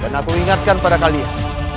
dan aku ingatkan pada kalian